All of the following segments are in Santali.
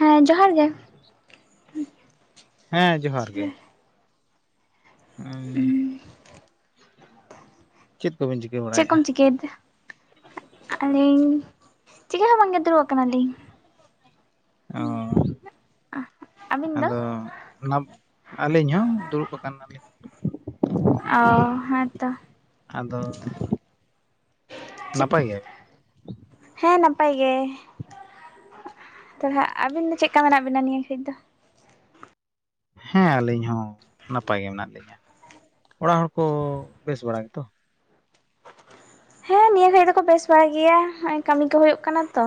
ᱦᱮᱸ ᱡᱚᱦᱟᱨ ᱜᱮ ᱦᱮᱸ ᱡᱚᱦᱟᱨ ᱜᱮ ᱩᱸ ᱪᱮᱫ ᱠᱚᱵᱤᱱ ᱪᱤᱠᱟᱹ ᱪᱮᱫ ᱵᱟᱲᱟᱭᱮᱫᱼᱟ ᱠᱚᱢ ᱪᱤᱠᱟᱹᱭᱮᱫᱟ ᱟᱹᱞᱤᱧ ᱪᱤᱠᱟᱹ ᱦᱚᱸ ᱵᱟᱝᱜᱮ ᱫᱩᱲᱩᱵ ᱠᱟᱱᱟᱞᱤᱧ᱾ ᱚ ᱟᱹᱵᱤᱱ ᱫᱚ? ᱟᱫᱚ [unintelligible] ᱟᱹᱞᱤᱧ ᱦᱚᱸ ᱫᱩᱲᱩᱵ ᱟᱠᱟᱱᱟᱞᱤᱧ ᱚ ᱦᱮᱸᱛᱚ ᱟᱫᱚ ᱪᱮᱫ ᱱᱟᱯᱟᱭ ᱜᱮ ᱦᱮᱸ ᱱᱟᱯᱟᱭ ᱜᱮ ᱛᱚᱵᱮ ᱟᱹᱵᱤᱱ ᱫᱚ ᱪᱮᱜ ᱠᱟ ᱢᱮᱱᱟᱜ ᱵᱤᱱᱟ ᱱᱤᱭᱟᱹ ᱜᱷᱟᱹᱲᱤᱡ ᱫᱚ? ᱦᱮᱸ ᱟᱹᱞᱤᱧ ᱦᱚᱸ ᱱᱟᱯᱟᱭ ᱜᱮ ᱢᱮᱱᱟᱜ ᱞᱤᱧᱟᱹ ᱚᱲᱟᱜ ᱦᱚᱲ ᱠᱚ ᱵᱮᱥ ᱵᱟᱲᱟ ᱜᱮᱛᱚ? ᱦᱮᱸ ᱱᱤᱭᱟᱹ ᱜᱷᱟᱹᱲᱤᱡ ᱫᱚᱠᱚ ᱵᱮᱥ ᱵᱟᱲᱟ ᱜᱮᱭᱟ ᱦᱚᱸᱜ-ᱚᱭ ᱠᱟᱹᱢᱤ ᱠᱚ ᱦᱩᱭᱩᱜ ᱠᱟᱱᱟ ᱛᱚ,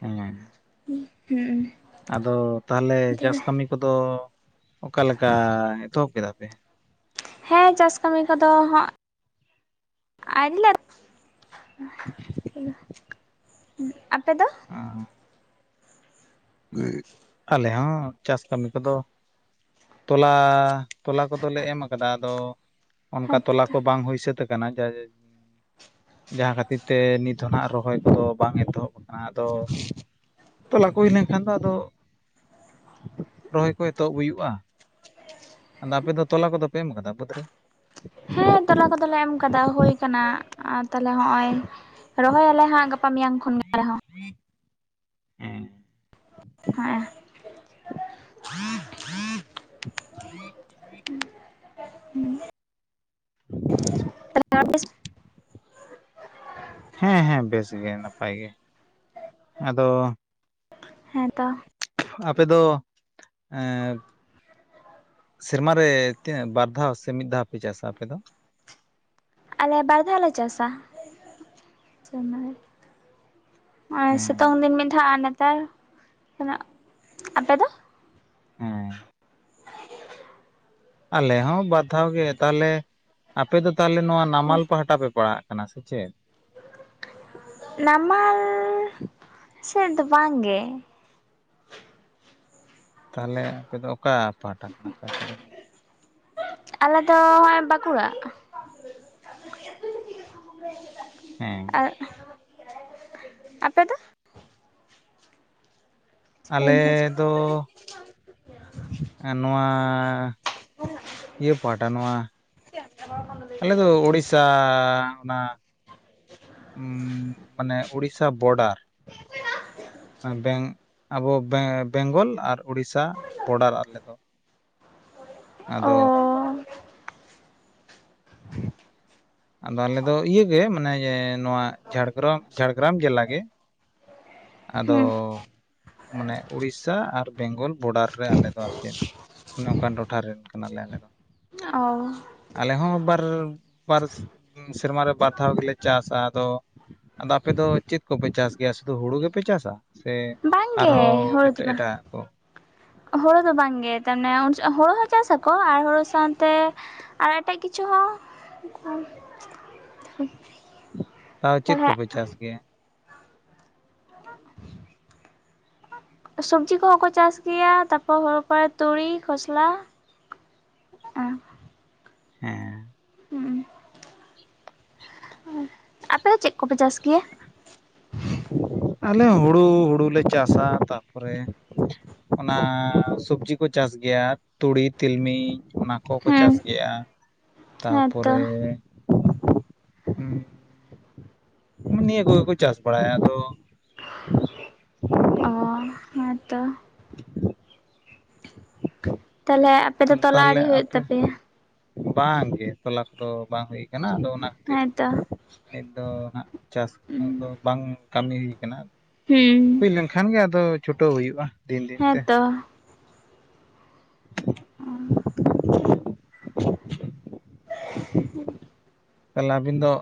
ᱦᱮᱸ ᱦᱩᱸ ᱩᱸ ᱟᱫᱚ ᱛᱟᱦᱚᱞᱮ ᱪᱟᱥ ᱠᱟᱹᱢᱤ ᱠᱚᱫᱚ ᱚᱠᱟᱞᱮᱠᱟ ᱮᱛᱚᱦᱚᱵ ᱠᱮᱫᱟᱯᱮ? ᱦᱮᱸ ᱪᱟᱥ ᱠᱟᱹᱢᱤ ᱠᱚᱫᱚ ᱦᱟᱸᱜ ᱟᱹᱨᱤᱞᱮ ᱮᱫ ᱟᱯᱮ ᱫᱚ? ᱟᱞᱮ ᱦᱚᱸ ᱪᱟᱥ ᱠᱟᱹᱢᱤ ᱠᱚᱫᱚ ᱛᱚᱞᱟ, ᱛᱚᱞᱟ ᱠᱚᱫᱚᱞᱮ ᱮᱢ ᱟᱠᱟᱫᱟ ᱟᱫᱚ ᱚᱱᱠᱟ ᱛᱚᱞᱟ ᱦᱮᱸᱛᱚ ᱠᱚ ᱵᱟᱝ ᱦᱩᱭ ᱥᱟᱹᱛ ᱟᱠᱟᱱᱟ [unintelligible] [inaudible] ᱡᱟᱦᱟᱸ ᱠᱷᱟᱹᱛᱤᱨ ᱛᱮ ᱱᱤᱛ ᱦᱚᱸᱱᱟᱜ ᱨᱚᱦᱚᱭ ᱠᱚᱫᱚ ᱵᱟᱝ ᱮᱛᱚᱦᱚᱵ ᱟᱠᱟᱱᱟ ᱟᱫᱚ ᱛᱚᱞᱟ ᱠᱚ ᱦᱩᱭᱞᱮᱱᱠᱷᱟᱱ ᱫᱚ ᱟᱫᱚ, ᱨᱚᱦᱚᱭ ᱠᱚ ᱮᱛᱚᱦᱚᱵ ᱦᱩᱭᱩᱜᱼᱟ ᱟᱫᱚ ᱟᱯᱮ ᱫᱚ ᱛᱚᱞᱟ ᱠᱚᱫᱚ ᱯᱮ ᱮᱢ ᱠᱟᱫᱟ ᱵᱟᱹᱫᱽ ᱨᱮ? ᱦᱮᱸ ᱛᱚᱞᱟ ᱠᱚᱫᱚᱞᱮ ᱮᱢ ᱠᱟᱫᱟ ᱦᱳᱭ ᱠᱟᱱᱟ ᱟᱨ ᱛᱟᱦᱚᱞᱮ ᱦᱚᱸᱜ-ᱚᱭ ᱨᱚᱦᱚᱭᱟᱞᱮ ᱦᱟᱸᱜ ᱜᱟᱯᱟ ᱢᱮᱭᱟᱝ ᱠᱷᱚᱱ ᱜᱮ ᱦᱚᱸ ᱦᱮᱸ ᱦᱮᱸ [inaudible] ᱦᱩᱸ [inaudible] [inaudible] ᱦᱮᱸ ᱦᱮᱸ ᱵᱮᱥ ᱜᱮ ᱱᱟᱯᱟᱭ ᱜᱮ ᱟᱫᱚ ᱦᱮᱸ ᱛᱚ ᱟᱯᱮ ᱫᱚ ᱮᱸ ᱥᱮᱨᱢᱟ ᱨᱮ ᱛᱤᱱᱟᱹᱜ ᱵᱟᱨ ᱫᱷᱟᱣ ᱥᱮ ᱢᱤᱫ ᱫᱷᱟᱣ ᱯᱮ ᱪᱟᱥᱟ ᱟᱯᱮ ᱫᱚ? ᱟᱞᱮ ᱵᱟᱨ ᱫᱷᱟᱣ ᱞᱮ ᱪᱟᱥᱟ ᱥᱮᱨᱢᱟ ᱨᱮ ᱟᱨ ᱦᱮᱸ ᱥᱤᱛᱳᱝ ᱫᱤᱱ ᱢᱤᱫ ᱫᱷᱟᱣ ᱟᱨ ᱱᱮᱛᱟᱨ [unintelligible] ᱟᱯᱮ ᱫᱚ? ᱦᱮᱸ ᱟᱞᱮ ᱦᱚᱸ ᱵᱟᱨ ᱫᱷᱟᱣ ᱜᱮ ᱛᱟᱦᱚᱞᱮ ᱟᱯᱮ ᱫᱚ ᱛᱟᱦᱚᱞᱮ ᱱᱚᱣᱟ ᱱᱟᱢᱟᱞ ᱯᱟᱦᱴᱟ ᱯᱮ ᱯᱟᱲᱟᱜ-ᱟ ᱠᱟᱱᱟ ᱥᱮ ᱪᱮᱫ? ᱱᱟᱢᱟᱞᱻ ᱥᱮᱫ ᱫᱚ ᱵᱟᱝ ᱜᱮ ᱛᱟᱦᱚᱞᱮ ᱟᱯᱮ ᱫᱚ ᱚᱠᱟ ᱯᱟᱦᱴᱟ ᱠᱟᱱᱟ ᱯᱮ ᱟᱯᱮ ᱫᱚ? ᱟᱞᱮ ᱫᱚ ᱦᱚᱸᱜᱼᱚᱭ ᱵᱟᱸᱠᱩᱲᱟ [inaudible] ᱦᱮᱸ [inaudible] ᱟᱯᱮ ᱫᱚ ᱵᱟᱹᱧ ᱟᱞᱮᱻ ᱟᱸᱡᱚᱢ ᱫᱚᱻ ᱮᱸ ᱱᱚᱣᱟ ᱤᱭᱟᱹ ᱯᱟᱦᱴᱟ ᱱᱚᱣᱟ [unintelligible] ᱟᱞᱮ ᱫᱚ ᱩᱲᱤᱥᱥᱟᱻ ᱚᱱᱟ ᱩᱸᱻ ᱢᱟᱱᱮ ᱩᱲᱤᱥ ᱥᱟ ᱵᱚᱰᱟᱨ ᱵᱮᱝ ᱟᱵᱚ ᱵᱮ-ᱵᱮᱝᱜᱚᱞ ᱟᱨ ᱩᱲᱤᱥᱥᱟ ᱵᱚᱰᱟᱨ ᱟᱞᱮ ᱫᱚ ᱚ ᱟᱫᱚ ᱟᱫᱚ ᱟᱞᱮ ᱫᱚ ᱤᱭᱟᱹ ᱜᱮ ᱢᱟᱱᱮ ᱱᱚᱣᱟ ᱡᱷᱟᱲᱜᱨᱟᱢ ᱡᱷᱟᱲᱜᱨᱟᱢ ᱡᱮᱞᱟ ᱜᱮ ᱟᱫᱚ ᱦᱩᱸ ᱢᱟᱱᱮ ᱩᱲᱤᱥᱥᱟ ᱟᱨ ᱵᱮᱝᱜᱚᱞ ᱵᱚᱰᱟᱨ ᱨᱮ ᱟᱞᱮ ᱫᱚ ᱟᱨ ᱪᱮᱫ ᱚᱱᱮ ᱚᱱᱠᱟᱱ ᱴᱚᱴᱷᱟ ᱨᱮᱱ ᱠᱟᱱᱟ ᱞᱮ ᱟᱞᱮ ᱫᱚ ᱚᱻ ᱟᱞᱮ ᱦᱚᱸ ᱵᱟᱨ ᱵᱟᱨ ᱥᱮᱨᱢᱟ ᱨᱮ ᱵᱟᱨ ᱫᱷᱟᱣ ᱜᱮᱞᱮ ᱪᱟᱥᱟ ᱟᱫᱚ ᱟᱫᱚ ᱟᱯᱮ ᱫᱚ ᱪᱮᱫ ᱠᱚᱯᱮ ᱪᱟᱥ ᱜᱮᱭᱟ ᱥᱩᱫᱩ ᱦᱩᱲᱩ ᱜᱮᱯᱮ ᱪᱟᱥᱟ ᱥᱮ? ᱟᱨᱦᱚᱸ ᱮ ᱦᱚᱲ ᱫᱚ ᱮᱴᱟᱜ ᱵᱟᱝ ᱮᱴᱟᱜ ᱠᱚ ᱦᱳᱲᱳ ᱫᱚ ᱵᱟᱝ ᱜᱮ ᱛᱟᱨ ᱢᱟᱱᱮ ᱦᱳᱲᱳ ᱦᱚᱸ ᱪᱟᱥ ᱟᱠᱚ ᱟᱨ ᱦᱳᱲᱳ ᱥᱟᱶᱛᱮ ᱟᱨ ᱮᱴᱟᱜ ᱠᱤᱪᱷᱩ ᱦᱚᱸ ᱛᱟᱣ ᱪᱮᱫ ᱛᱟᱦᱚᱞᱮ ᱠᱚᱯᱮ ᱪᱟᱥ ᱜᱮᱭᱟ [inaudible] ᱥᱚᱵᱽᱡᱤ ᱠᱚᱦᱚᱸ ᱠᱚ ᱪᱟᱥ ᱜᱮᱭᱟ ᱛᱟᱯᱚᱨ, ᱦᱩᱲᱩ ᱠᱚᱨᱮ, ᱛᱩᱲᱤ ᱠᱷᱚᱥᱞᱟ ᱦᱮᱸ ᱦᱩᱸ ᱟᱯᱮ ᱫᱚ ᱪᱮᱫ ᱠᱚᱯᱮ ᱪᱟᱥ ᱜᱮᱭᱟ? ᱟᱞᱮ ᱦᱩᱲᱩ ᱦᱩᱲᱩ ᱞᱮ ᱪᱟᱥᱟ ᱛᱟᱨᱯᱚᱨᱮ ᱚᱱᱟᱻ ᱥᱚᱵᱽᱡᱤ ᱠᱚ ᱪᱟᱥ ᱜᱮᱭᱟ! ᱛᱩᱲᱤ ᱛᱤᱞᱢᱤᱧ ᱚᱱᱟ ᱠᱚᱦᱚᱸ ᱠᱚ ᱦᱩᱸ ᱪᱟᱥ ᱜᱮᱭᱟ [inaudible] ᱛᱟᱨᱯᱚᱨᱮᱻ ᱱᱤᱭᱟᱹ ᱠᱚᱜᱮ ᱠᱚ ᱪᱟᱥ ᱵᱟᱲᱟᱭᱟ ᱟᱫᱚ ᱚᱻ ᱦᱮᱸ ᱛᱚ [inaudible] ᱛᱟᱦᱞᱮ ᱟᱯᱮ ᱫᱚ ᱛᱚᱞᱟ ᱟᱣᱨᱤ ᱦᱩᱭᱩᱜ ᱛᱟᱯᱮᱭᱟ ᱵᱟᱝ ᱜᱮ ᱛᱚᱞᱟ ᱠᱚ ᱵᱟᱝ ᱦᱩᱭ ᱠᱱᱟ ᱠᱟᱱᱟ ᱟᱫᱚ ᱚᱱᱟ ᱠᱷᱟᱹᱛᱤᱨ ᱦᱮᱸᱛᱚ ᱱᱤᱛ ᱫᱚ ᱦᱟᱸᱜ ᱪᱟᱥ ᱦᱩᱸ ᱫᱚ ᱵᱟᱝ ᱠᱟᱹᱢᱤ ᱠᱟᱱᱟ ᱦᱩᱭ ᱞᱮᱱᱠᱷᱟᱱ ᱜᱮ ᱟᱫᱚ ᱪᱷᱩᱴᱟᱹᱣ ᱦᱩᱭᱩᱜᱼᱟ ᱫᱤᱱ ᱫᱤᱱ ᱛᱮ ᱦᱮᱸᱛᱚ [inaudible] [unintelligible] ᱛᱟᱦᱚᱞᱮ ᱟᱹᱵᱤᱱ ᱫᱚ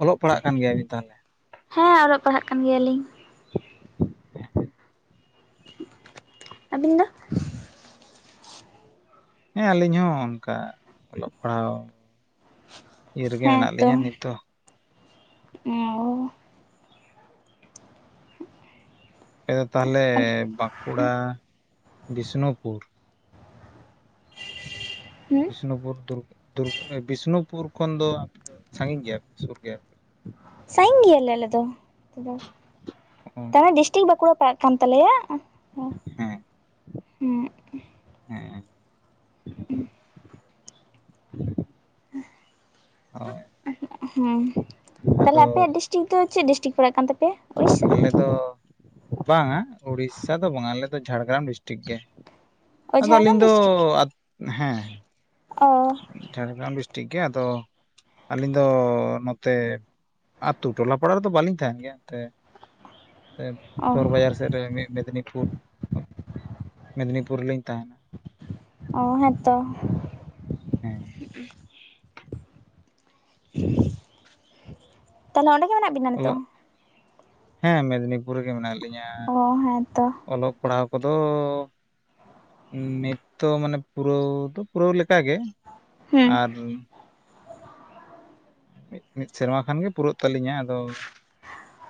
ᱚᱞᱚᱜ ᱯᱟᱲᱦᱟᱜ ᱜᱮᱭᱟᱵᱤᱱᱛᱟᱦᱚᱞᱮ ᱦᱮᱸ ᱚᱞᱚᱜ ᱯᱟᱲᱦᱟᱜ ᱠᱟᱱ ᱜᱮᱭᱟᱞᱤᱧ ᱟᱹᱵᱤᱱ ᱫᱚ ᱦᱮᱸ ᱟᱹᱞᱤᱧ ᱦᱚᱸ ᱚᱱᱠᱟ ᱚᱞᱚᱜ ᱯᱟᱲᱦᱟᱣ ᱤᱨ ᱨᱮᱜᱮ ᱢᱮᱱᱟᱜ ᱞᱤᱧᱟᱹ ᱱᱤᱛ ᱫᱚ ᱚᱸ ᱟᱯᱮ ᱫᱚ ᱛᱟᱦᱚᱞᱮ ᱦᱩᱸ ᱵᱟᱸᱠᱩᱲᱟ ᱵᱤᱥᱱᱩᱯᱩᱨ᱾ ᱦᱩᱸ ᱵᱤᱥᱱᱩᱯᱩᱨᱩᱨ ᱫᱩᱨ ᱵᱤᱥᱱᱩᱯᱩᱨ ᱠᱷᱚᱱ ᱫᱚ ᱟᱯᱮ ᱫᱚ ᱥᱟᱺᱜᱤᱧ ᱜᱮᱭᱟᱯ ᱥᱩᱨ ᱜᱮᱭᱟ ᱯᱮ ᱥᱟᱜᱤᱧ ᱜᱮᱭᱟᱞᱮ ᱟᱞᱮ ᱫᱚ ᱚ ᱛᱟᱨᱮ ᱰᱤᱥᱴᱤᱠ ᱵᱟᱸᱠᱩᱲᱟ ᱯᱟᱲᱟᱜ ᱠᱟᱱ ᱛᱟᱞᱮᱭᱟ ᱦᱮᱸ ᱦᱩᱸ ᱦᱮᱸ ᱦᱳᱭ ᱦᱩᱸ ᱛᱟᱦᱞᱮ ᱟᱫᱚ ᱟᱯᱮᱭᱟᱜ ᱰᱤᱥ ᱰᱤᱥᱴᱤᱠ ᱫᱚ ᱪᱮᱫ ᱰᱤᱥᱴᱨᱤᱠ ᱯᱟᱜ ᱠᱟᱱ ᱛᱟᱯᱮᱭᱟ ᱩᱲᱤᱥᱥᱟ ᱛᱚ ᱵᱟᱝᱟ ᱩᱲᱤᱥᱥᱟ ᱫᱚ ᱵᱟᱝᱟ ᱟᱞᱮ ᱫᱚ ᱡᱷᱟᱲᱜᱨᱟᱢ ᱰᱤᱥᱴᱤᱠ ᱜᱮ ᱚ ᱟᱫᱚ ᱟᱹᱞᱤᱧ ᱡᱷᱟᱲᱜᱨᱟᱢ ᱫᱚ ᱰᱤᱥᱴᱤᱠ ᱦᱮᱸ ᱚ ᱡᱷᱟᱲᱜᱨᱟᱢ ᱰᱤᱥᱴᱤᱠ ᱜᱮ ᱟᱫᱚ ᱟᱹᱞᱤᱧ ᱫᱚ ᱱᱚᱛᱮ ᱟᱛᱩ ᱴᱚᱞᱟ ᱯᱟᱲᱟ ᱨᱮᱫᱚ ᱵᱟᱹᱞᱤᱧ ᱛᱟᱦᱮᱸᱱ ᱜᱮᱭᱟ ᱮᱱ ᱛᱮ ᱚ ᱥᱚᱦᱚᱨ ᱵᱟᱡᱟᱨ ᱥᱮᱫ ᱨᱮ ᱢᱤᱫ ᱢᱮᱫᱽᱱᱤᱯᱩᱨ ᱢᱮᱫᱽᱱᱤᱯᱩᱨ ᱨᱮ ᱞᱤᱧ ᱛᱟᱦᱮᱸᱱᱟ ᱚ ᱦᱮᱸᱛᱚ ᱦᱮᱸ ᱛᱟᱦᱚᱞᱮ ᱚᱸᱰᱮ ᱜᱮ ᱢᱮᱱᱟᱜ ᱵᱤᱱᱟ ᱱᱤᱛᱳᱜ ᱚᱞᱚᱜ ᱦᱚᱸ ᱦᱮᱸ ᱢᱮᱫᱽᱱᱤᱯᱩᱨ ᱨᱮᱜᱮ ᱢᱮᱱᱟᱜ ᱞᱤᱧᱟᱹ ᱚ ᱦᱮᱸᱛᱚ ᱚᱞᱚᱜ ᱯᱟᱲᱦᱟᱜ ᱠᱚᱫᱚ ᱱᱤᱛᱚ ᱢᱟᱱᱮ ᱯᱩᱨᱟᱹᱣ ᱫᱚ ᱯᱩᱨᱟᱹᱣ ᱞᱮᱠᱟᱜᱮ ᱦᱩᱸ ᱟᱨ ᱢᱤᱫ ᱢᱤᱫ ᱥᱮᱨᱢᱟ ᱠᱷᱟᱱ ᱜᱮ ᱯᱩᱨᱟᱹᱜ ᱛᱟᱹᱟᱞᱤᱧᱟ ᱟᱫᱚ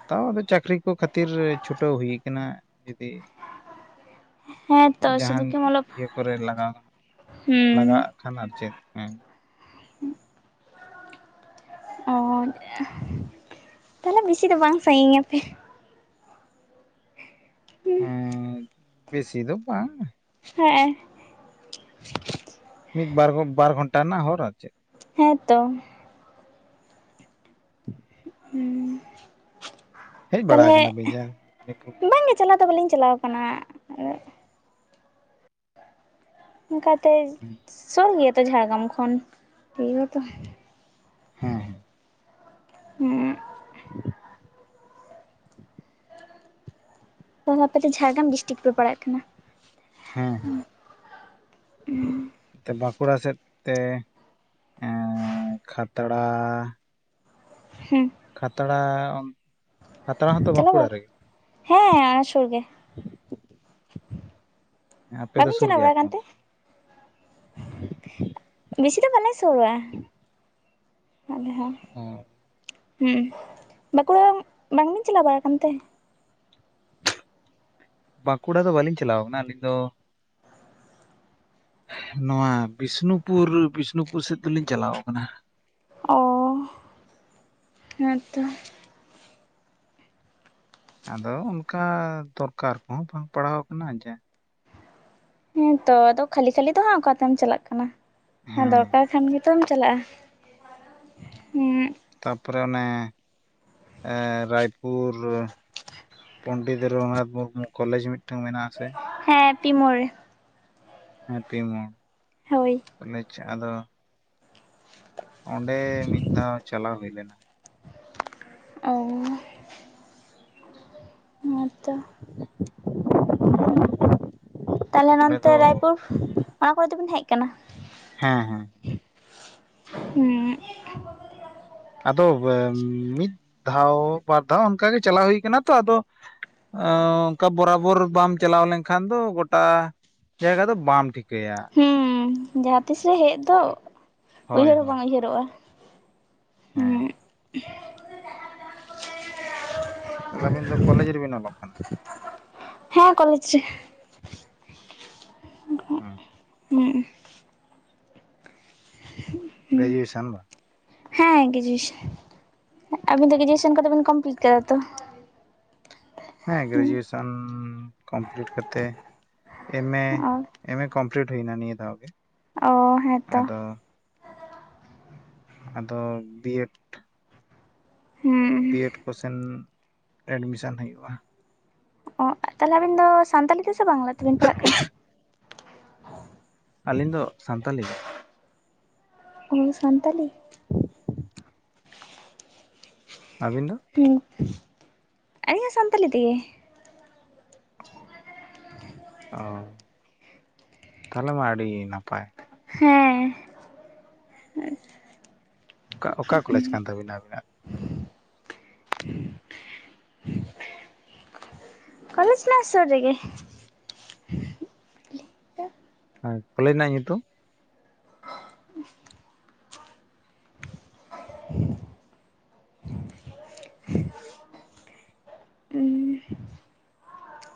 ᱛᱟᱣ ᱟᱫᱚ ᱪᱟᱹᱠᱨᱤ ᱠᱚ ᱠᱷᱟᱹᱛᱤᱨ ᱪᱷᱩᱴᱟᱹᱣ ᱦᱩᱭ ᱟᱠᱟᱱᱟ ᱡᱩᱫᱤ ᱦᱮᱸᱛᱚ ᱥᱩᱫᱩ ᱡᱟᱦᱟᱱ ᱠᱤ ᱢᱚᱞᱚᱵ ᱤᱭᱟᱹ ᱠᱚᱨᱮ ᱞᱟᱜᱟᱣ ᱦᱩᱸ ᱞᱟᱜᱟᱣᱟᱜ ᱠᱷᱟᱱ ᱟᱨ ᱪᱮᱫ ᱦᱮᱸ ᱚ ᱛᱟᱦᱚᱞᱮ ᱵᱮᱥᱤ ᱫᱚ ᱵᱟᱝ ᱥᱟᱜᱤᱧ ᱟᱯᱮ ᱦᱮᱸ ᱵᱮᱥᱤ ᱫᱚ ᱵᱟᱝ ᱦᱮᱸᱜ ᱮᱸ ᱢᱤᱫ ᱵᱟᱨ ᱵᱟᱨ ᱜᱷᱚᱱᱴᱟ ᱨᱮᱱᱟᱜ ᱦᱚᱨ ᱟᱨ ᱪᱮᱫ ᱦᱮᱸ ᱛᱚ ᱦᱩᱸ [inaudible] ᱦᱮᱡ ᱵᱟᱲᱟ ᱛᱟᱦᱚᱞᱮ ᱟᱠᱟᱱᱟᱵᱤᱱ ᱡᱟ ᱢᱮᱫᱽᱱᱤᱯᱩᱨ ᱵᱟᱝ ᱜᱮ ᱪᱟᱞᱟᱣ ᱫᱚ ᱵᱟᱹᱞᱤᱧ ᱪᱟᱞᱟᱣ ᱟᱠᱟᱱᱟ ᱚᱱᱠᱟᱛᱮ ᱦᱮᱸ ᱥᱚᱨ ᱜᱮᱭᱟ ᱛᱚ ᱡᱷᱟᱲᱜᱨᱟᱢ ᱠᱷᱚᱱ ᱛᱚ ᱦᱮᱸ ᱦᱮᱸ ᱦᱮᱸ ᱛᱟᱦᱚᱞᱮ ᱟᱯᱮ ᱡᱷᱟᱲᱜᱨᱟᱢ ᱰᱤᱥᱴᱤᱠ ᱯᱮ ᱯᱟᱲᱟᱜ ᱠᱟᱱᱟ ᱦᱮᱸ [unintelligible] ᱵᱟᱸᱠᱩᱲᱟ ᱥᱮᱫ ᱛᱮ ᱮᱸ ᱠᱷᱟᱛᱲᱟ ᱦᱩᱸ ᱠᱷᱟᱛᱲᱟ ᱚᱱ ᱠᱷᱟᱛᱲᱟ ᱦᱚᱸᱛᱚ ᱪᱟᱞᱟᱣ ᱵᱟᱸᱠᱩᱲᱟ ᱵᱟᱲᱟ ᱨᱮᱜᱮ ᱦᱮᱸ ᱚᱱᱟ ᱥᱳᱨ ᱜᱮ ᱟᱯᱮ ᱫᱚ ᱵᱟᱵᱤᱱ ᱥᱩᱨ ᱪᱟᱞᱟᱣ ᱜᱮᱭᱟ ᱵᱟᱲᱟ ᱯᱮ ᱟᱠᱟᱱ ᱛᱮ ᱚᱸᱰᱮ [inaudible] ᱵᱤᱥᱤ ᱫᱚ ᱵᱟᱞᱮ ᱥᱳᱨᱟ [inaudible] ᱟᱞᱮ ᱦᱚᱸ ᱚ ᱦᱩᱸ ᱵᱟᱸᱠᱩᱲᱟᱢ ᱵᱟᱝᱵᱤᱱ ᱪᱟᱞᱟᱣ ᱵᱟᱲᱟ ᱟᱠᱟᱱ ᱛᱮ ᱵᱟᱸᱠᱩᱲᱟ ᱫᱚ ᱵᱟᱞᱤᱧ ᱪᱟᱞᱟᱣ ᱟᱠᱟᱱᱟ ᱟᱹᱞᱤᱧ ᱫᱚ ᱱᱚᱣᱟ ᱵᱤᱥᱱᱩᱯᱩᱨ ᱵᱤᱥᱱᱩᱯᱩᱨ ᱥᱮᱫ ᱫᱚᱞᱤᱧ ᱪᱟᱞᱟᱣ ᱟᱠᱟᱱᱟ ᱚ ᱦᱮᱸᱛᱚ ᱟᱫᱚ ᱚᱱᱠᱟ ᱫᱚᱨᱠᱟᱨ ᱠᱚᱦᱚᱸ ᱵᱟᱝ ᱯᱟᱲᱦᱟᱣ ᱠᱟᱱᱟ ᱡᱮ ᱦᱮᱸᱛᱚ ᱟᱫᱚ ᱠᱷᱟᱹᱞᱤ ᱠᱷᱟᱹᱞᱤ ᱫᱚ ᱦᱟᱸᱜ ᱚᱠᱟᱛᱮᱢ ᱪᱟᱞᱟᱜ ᱠᱟᱱᱟ ᱦᱮᱸ ᱫᱚᱨᱠᱟᱨ ᱠᱷᱟᱱ ᱜᱮ ᱛᱚᱢ ᱪᱟᱞᱟᱜᱼᱟ ᱦᱩᱸᱻ ᱛᱟᱯᱚᱨᱮ ᱚᱱᱮ ᱨᱟᱭᱯᱩᱨ ᱯᱚᱱᱰᱤᱛ ᱨᱚᱜᱷᱩᱱᱟᱛᱷ ᱢᱩᱨᱢᱩ ᱠᱚᱞᱮᱡᱽ ᱢᱤᱫᱴᱟᱝ ᱢᱮᱱᱟᱜ ᱟ ᱥᱮ ᱦᱮᱸ ᱯᱤ ᱢᱳᱲ ᱦᱮᱸ ᱯᱤ ᱢᱳᱲ ᱦᱳᱭ ᱠᱚᱞᱮᱡᱽ ᱪᱟᱜ ᱟᱫᱚ ᱚᱸᱰᱮ ᱢᱤᱫ ᱫᱷᱟᱣ ᱪᱟᱞᱟᱣ ᱦᱩᱭᱞᱮᱱᱟ ᱚᱸ ᱱᱚᱣᱟ ᱛᱚ [unintelligible] ᱛᱟᱞᱦᱮ ᱚᱸᱰᱮ ᱱᱚᱱᱛᱮ ᱫᱚ ᱨᱟᱭᱯᱩᱨ ᱚᱱᱟ ᱠᱚᱨᱮ ᱫᱚᱵᱤᱱ ᱦᱮᱡ ᱟᱠᱟᱱᱟ ᱦᱮᱸ ᱦᱮᱸ ᱦᱩᱸ ᱟᱫᱚ ᱢᱤᱫ ᱫᱷᱟᱣ ᱵᱟᱨ ᱫᱷᱟᱣ ᱚᱱᱠᱟᱜᱮ ᱪᱟᱞᱟᱣ ᱦᱩᱭ ᱠᱟᱱᱟ ᱛᱚ ᱟᱫᱚ ᱮᱸ ᱚᱱᱠᱟ ᱵᱚᱨᱟᱵᱚᱨ ᱵᱟᱢ ᱪᱟᱞᱟᱣ ᱞᱮᱱ ᱠᱷᱟᱱ ᱫᱚ ᱜᱚᱴᱟ ᱡᱟᱭᱜᱟ ᱫᱚ ᱵᱟᱢ ᱴᱷᱤᱠᱟᱹᱭᱟ ᱦᱩᱸ ᱡᱟᱦᱟᱸ ᱛᱤᱥ ᱨᱮ ᱦᱮᱜ ᱫᱚ ᱦᱳᱭ ᱩᱭᱦᱟᱹᱨ ᱦᱚᱸ ᱦᱳᱭ ᱵᱟᱝ ᱩᱭᱦᱟᱹᱨ ᱨᱚᱜᱼᱟ ᱦᱮᱸ ᱛᱟᱞᱮ ᱟᱹᱵᱮᱱ ᱫᱚ ᱠᱚᱞᱮᱡᱽ ᱨᱮᱵᱤᱱ ᱚᱞᱚᱜ ᱠᱟᱱᱟ ᱦᱮᱸ ᱠᱚᱞᱮᱡᱽ ᱨᱮ ᱦᱩᱸ ᱦᱩᱸ [unintelligible] ᱜᱮᱡᱩᱭᱮᱥᱮᱱ ᱫᱚ ᱦᱮᱸ ᱜᱮᱡᱩᱭᱮᱥᱚᱱ ᱦᱮᱜ ᱟᱵᱤᱱ ᱫᱚ ᱜᱮᱡᱩᱭᱮᱥᱚᱱ ᱠᱚᱫᱚ ᱵᱤᱱ ᱠᱚᱢᱯᱤᱞᱴ ᱠᱮᱫᱟ ᱛᱚ ᱦᱮᱸ ᱜᱮᱡᱩᱭᱮᱥᱚᱱ ᱠᱚᱢᱯᱞᱤᱴ ᱠᱟᱛᱮ ᱮᱢ ᱮ ᱚ ᱮᱢ ᱮ ᱠᱚᱢᱯᱞᱤᱴ ᱦᱩᱭᱱᱟ ᱱᱤᱭᱟᱹ ᱫᱷᱟᱣ ᱜᱮ ᱚ ᱦᱮᱸ ᱛᱚ ᱟᱫᱚ ᱟᱫᱚ ᱵᱤᱭᱮᱴ ᱦᱩᱸ ᱵᱤᱭᱮᱴ ᱠᱚᱥᱮᱱ ᱮᱰᱢᱤᱥᱮᱱ ᱦᱩᱭᱩᱜᱼᱟ ᱚᱸᱜ ᱛᱟᱞᱦᱮ ᱟᱵᱤᱱ ᱫᱚ ᱥᱟᱱᱛᱟᱞᱤ ᱛᱮᱥᱮ ᱵᱟᱝᱞᱟ ᱛᱮᱵᱮᱱ ᱯᱟᱲᱦᱟᱜ ᱠᱟᱱ ᱛᱮ ᱟᱹᱞᱤᱧ ᱫᱚ ᱥᱟᱱᱛᱟᱞᱤ ᱜᱮ ᱳ ᱥᱟᱱᱛᱟᱞᱤ ᱟᱹᱵᱤᱱ ᱫᱚ ᱦᱩᱸ ᱟᱹᱞᱤᱧ ᱦᱚᱸ ᱥᱟᱱᱛᱟᱞᱤ ᱛᱮᱜᱮ ᱚ ᱛᱟᱞᱦᱮ ᱢᱟ ᱟᱹᱰᱤ ᱱᱟᱯᱟᱭ ᱦᱮᱸ ᱚᱠᱟ ᱚᱠᱟ ᱠᱚᱞᱮᱡᱽ ᱠᱟᱱ ᱛᱟᱹᱵᱤᱱᱟ ᱟᱵᱤᱱᱟᱜ [inaudible] ᱠᱚᱞᱮᱡᱽ ᱢᱟ ᱥᱳᱨ ᱨᱮᱜᱮ ᱦᱮᱸ ᱠᱚᱞᱮᱡᱽ ᱨᱮᱱᱟᱜ ᱧᱩᱛᱩᱢ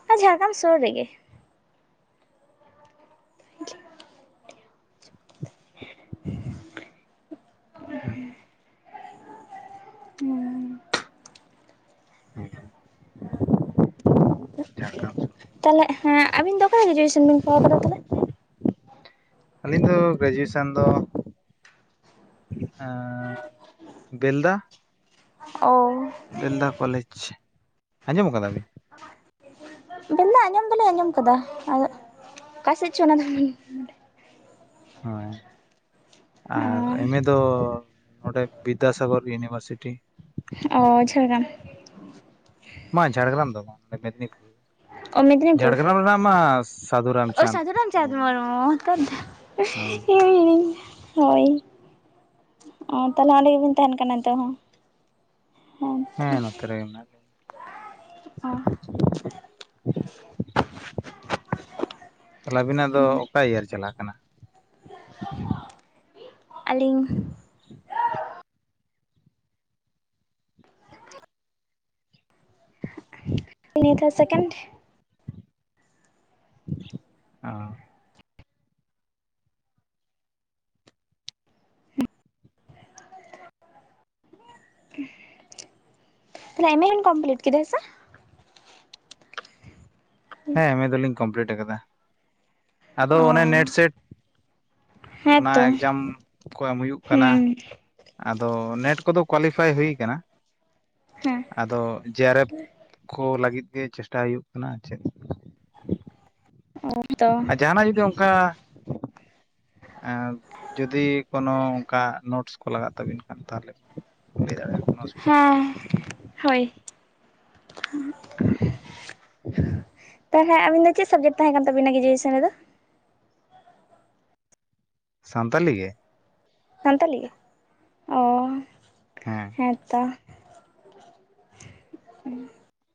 ᱱᱚᱣᱟ ᱡᱷᱟᱲᱜᱨᱟᱢ ᱥᱳᱨ ᱨᱮ ᱜᱮ ᱦᱩᱸ [unintelligible] ᱦᱩᱸ ᱡᱷᱟᱲᱜᱨᱟᱢ ᱛᱟᱦᱚᱞᱮᱸ ᱦᱮᱸ ᱟᱵᱤᱱ ᱫᱚ ᱚᱠᱟᱨᱮ ᱜᱨᱮᱡᱩᱭᱮᱥᱚᱱ ᱵᱤᱱ ᱠᱚᱲᱟᱣ ᱟᱠᱟᱫᱟ ᱛᱟᱦᱚᱞᱮ ᱟᱹᱞᱤᱧ ᱫᱚ ᱜᱨᱮᱡᱩᱭᱮᱥᱚᱱ ᱫᱚ ᱟᱨ ᱵᱮᱞᱫᱟ ᱚᱣ ᱵᱮᱞᱫᱟ ᱠᱚᱞᱮᱡᱽ ᱟᱸᱡᱚᱢ ᱟᱠᱟᱫᱟ ᱵᱤᱱ ᱵᱮᱞᱫᱟ ᱟᱸᱡᱚᱢ ᱫᱚᱞᱤᱧ ᱟᱸᱡᱚᱢ ᱠᱟᱫᱟ ᱟᱫᱚ ᱚᱠᱟᱥᱮᱫ ᱪᱚ ᱚᱱᱟ ᱫᱚ ᱦᱳᱭ ᱟᱨ ᱮᱢ ᱮ ᱫᱚ ᱱᱚᱸᱰᱮ ᱵᱤᱫᱽᱫᱟᱥᱟᱜᱚᱨ ᱤᱭᱩᱱᱤᱵᱷᱟᱨᱥᱤᱴᱤ ᱚ ᱡᱷᱟᱲᱜᱨᱟᱢ ᱵᱟᱝ ᱡᱷᱟᱲᱜᱨᱟᱢ ᱫᱚ ᱵᱟᱝ ᱱᱚᱰᱮ ᱢᱮᱫᱽᱱᱤᱯᱩᱨ ᱚ ᱢᱮᱫᱽᱱᱤᱯᱩᱨ ᱡᱷᱟᱲᱜᱨᱟᱢ ᱨᱮᱱᱟᱜ ᱢᱟ ᱚ ᱥᱟᱫᱷᱩᱨᱟᱢᱪᱟᱸᱫᱽ ᱢᱩᱨᱢᱩ ᱦᱳᱭ ᱦᱳᱭ ᱚ ᱛᱟᱦᱚᱞᱮ ᱚᱸᱰᱮ ᱜᱮᱵᱤᱱ ᱛᱟᱦᱮᱱ ᱠᱟᱱᱟ ᱱᱤᱛᱚᱜ ᱦᱚᱸ ᱦᱮᱸ ᱱᱚᱛᱮ ᱨᱮᱜᱮ ᱢᱮᱱᱟᱜ ᱞᱤᱧᱟ ᱚ ᱛᱷᱟᱞᱮ ᱟᱵᱤᱱᱟᱜ ᱫᱚ ᱚᱠᱟ ᱤᱭᱟᱨ ᱪᱟᱞᱟᱜ ᱠᱟᱱᱟ ᱟᱹᱞᱤᱧ [unintelligible] ᱱᱤᱛ ᱦᱚᱸ ᱥᱮᱠᱮᱱᱰ ᱚ ᱮᱢᱮ ᱠᱚᱢᱯᱞᱤᱴ ᱠᱮᱫᱟ ᱦᱮᱸ ᱥᱮ ᱦᱮᱸ ᱮᱢ ᱮ ᱫᱚᱞᱤᱧ ᱠᱚᱢᱯᱤᱞᱴ ᱟᱠᱟᱫᱟ ᱟᱫᱚ ᱚ ᱚᱱᱮ ᱱᱮᱴ ᱥᱮᱴ ᱚᱱᱟ ᱦᱮᱸᱛᱚ ᱮᱠᱡᱟᱢ ᱠᱚ ᱮᱢ ᱦᱩᱭᱩᱜ ᱠᱟᱱᱟ ᱦᱩᱸ ᱟᱫᱚ ᱱᱮᱴ ᱠᱚᱫᱚ ᱠᱳᱣᱟᱞᱤᱯᱷᱟᱭ ᱦᱩᱭ ᱠᱟᱱᱟ ᱦᱮᱸ ᱟᱫᱚ ᱡᱮ ᱟᱨ ᱮᱯᱷ ᱠᱚ ᱞᱟᱹᱜᱤᱫ ᱜᱮ ᱪᱮᱥᱴᱟᱭ ᱦᱩᱭᱩᱜ ᱠᱟᱱᱟ ᱪᱮᱫ ᱛᱚ ᱟᱨ ᱡᱟᱦᱟᱱᱟᱜ ᱡᱩᱫᱤ ᱚᱱᱠᱟ ᱮ ᱡᱩᱫᱤ ᱠᱳᱱᱳ ᱚᱱᱠᱟ ᱱᱳᱴᱥ ᱠᱚ ᱞᱟᱜᱟᱜ ᱛᱟᱵᱤᱱ ᱠᱷᱟᱱ ᱛᱟᱦᱚᱞᱮ ᱞᱟᱹᱭ ᱫᱟᱲᱮᱭᱟᱜᱼᱟ ᱠᱚᱱᱳ ᱚᱩᱵᱤᱫᱷᱟ ᱦᱮᱸ ᱦᱳᱭ ᱛᱟᱦᱚᱞᱮ ᱟᱵᱤᱱ ᱫᱚ ᱪᱮᱫ ᱥᱟᱵᱡᱮᱠᱴ ᱛᱟᱦᱮᱸ ᱠᱟᱱ ᱛᱟᱵᱤᱱᱟ ᱜᱨᱮᱡᱩᱭᱮᱥᱚᱱ ᱨᱮ ᱫᱚ ᱥᱟᱱᱛᱟᱞᱤ ᱜᱮ ᱥᱟᱱᱛᱟᱞᱤ ᱜᱮ ᱚ ᱦᱮᱸ ᱦᱮᱸᱛᱚ [unintelligible]